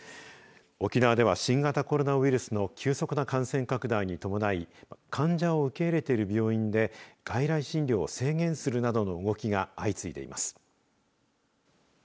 沖縄では新型コロナウイルスの急速な感染拡大に伴い患者を受け入れている病院で外来診療を制限するなどの動きが相次いでいます。